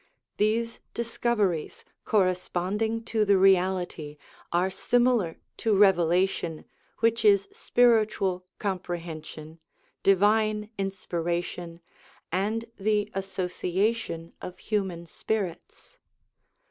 These discoveries corresponding to the reality are similar to revelation which is spiritual comprehension, divine inspiration, and the association of human spirits.